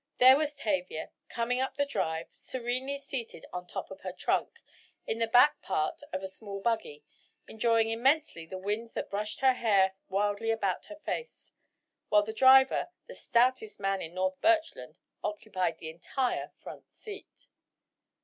There was Tavia, coming up the drive, serenely seated on top of her trunk, in the back part of a small buggy, enjoying immensely the wind that brushed her hair wildly about her face, while the driver, the stoutest man in North Birchland, occupied the entire front seat.